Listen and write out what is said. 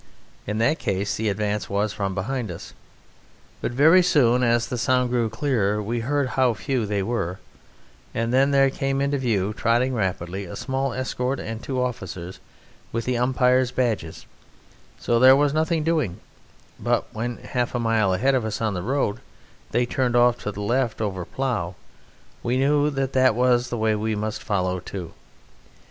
In that case the advance was from behind us. But very soon, as the sound grew clearer, we heard how few they were, and then there came into view, trotting rapidly, a small escort and two officers with the umpires' badges, so there was nothing doing; but when, half a mile ahead of us on the road, they turned off to the left over plough, we knew that that was the way we must follow too.